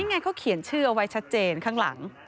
ไงเขาเขียนชื่อเอาไว้ชัดเจนข้างหลัง